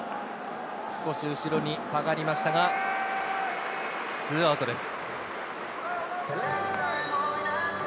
少し後ろに下がりましたが、２アウトです。